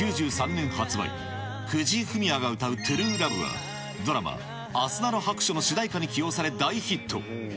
１９９３年発売、藤井フミヤが歌うＴＲＵＥＬＯＶＥはドラマ、あすなろ白書の主題歌に起用され、大ヒット。